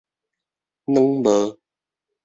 軟帽